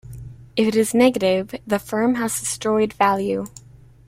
If it is negative, the firm has destroyed value.